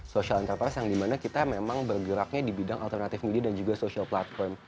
social enterprise yang dimana kita memang bergeraknya di bidang alternatif media dan juga social platform